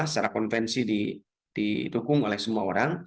secara konvensi didukung oleh semua orang